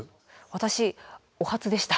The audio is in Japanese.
私お初でした。